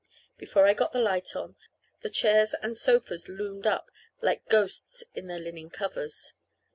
Before I got the light on, the chairs and sofas loomed up like ghosts in their linen covers.